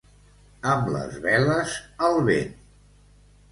Amb les veles al vent.